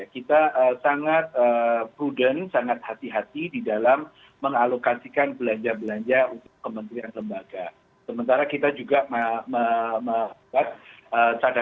kasihan indonesia newsroom akan segera kembali